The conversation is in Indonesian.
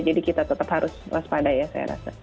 jadi kita tetap harus waspada ya saya rasa